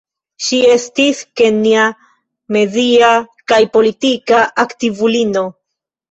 Ŝi estis kenja media kaj politika aktivulino.